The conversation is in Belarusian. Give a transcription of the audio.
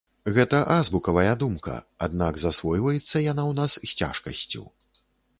Гэта азбукавая думка, аднак засвойваецца яна ў нас з цяжкасцю.